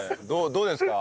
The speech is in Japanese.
どうですか？